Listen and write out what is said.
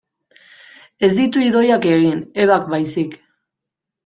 Ez ditu Idoiak egin, Ebak baizik.